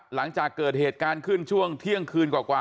หลังจากเกิดเหตุการณ์ขึ้นช่วงเที่ยงคืนกว่า